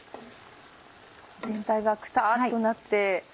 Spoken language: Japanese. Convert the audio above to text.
全体がクタっとなって。